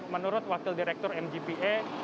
menurut wakil direktur mgpa